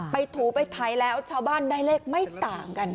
ถูไปไทยแล้วชาวบ้านได้เลขไม่ต่างกัน